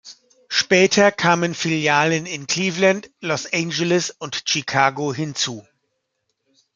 Später kamen Filialen in Cleveland, Los Angeles und Chicago hinzu.